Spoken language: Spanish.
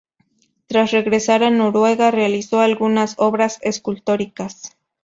Tras regresar a Noruega, realizó algunas obras escultóricas.